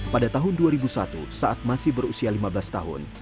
pada tahun dua ribu satu saat masih berusia lima belas tahun